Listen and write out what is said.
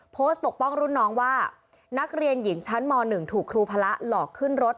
ปกป้องรุ่นน้องว่านักเรียนหญิงชั้นม๑ถูกครูพระหลอกขึ้นรถ